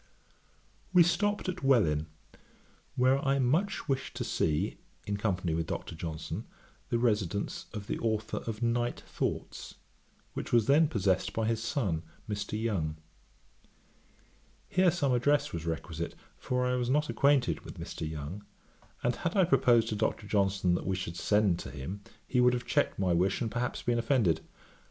We stopped at Welwyn, where I wished much to see, in company with Dr. Johnson, the residence of the authour of Night Thoughts, which was then possessed by his son, Mr. Young. Here some address was requisite, for I was not acquainted with Mr. Young, and had I proposed to Dr. Johnson that we should send to him, he would have checked my wish, and perhaps been offended.